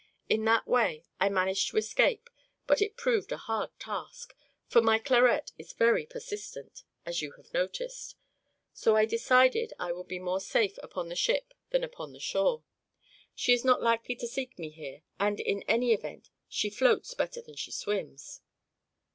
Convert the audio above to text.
In that way I managed to escape. But it proved a hard task, for my Clarette is very persistent, as you may have noticed. So I decided I would be more safe upon the ship than upon the shore. She is not likely to seek me here, and in any event she floats better than she swims."